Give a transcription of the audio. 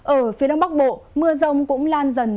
ở phía đông bắc bộ mưa rông cũng lan dần